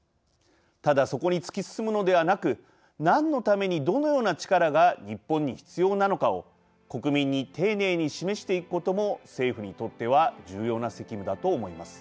ただ、そこに突き進むのではなく何のためにどのような力が日本に必要なのかを国民に丁寧に示していくことも政府にとっては重要な責務だと思います。